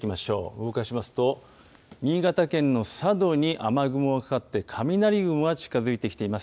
動かしますと、新潟県の佐渡に雨雲がかかって、雷雲が近づいてきています。